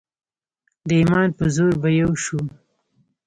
د ایمان په زور به یو شو.